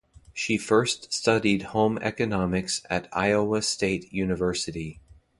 She first studied home economics at Iowa State University.